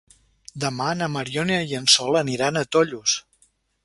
Demà na Mariona i en Sol aniran a Tollos.